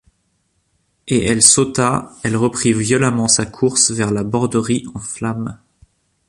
Et elle sauta, elle reprit violemment sa course vers la Borderie en flammes.